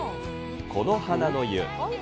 木の花の湯。